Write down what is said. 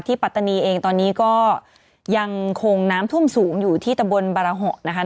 ปัตตานีเองตอนนี้ก็ยังคงน้ำท่วมสูงอยู่ที่ตะบนบารเหอะนะคะ